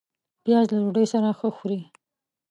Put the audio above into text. پیاز له ډوډۍ سره ښه خوري